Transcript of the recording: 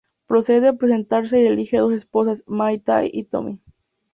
Procede a presentarse y elige dos esposas May-tai y Tomi.